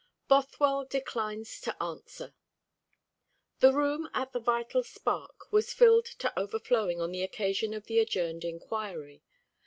BOTHWELL DECLINES TO ANSWER. The room at the Vital Spark was filled to overflowing on the occasion of the adjourned inquiry.